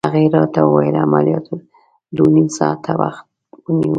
هغې راته وویل: عملياتو دوه نيم ساعته وخت ونیو.